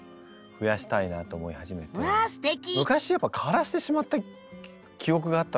昔やっぱ枯らしてしまった記憶があったので。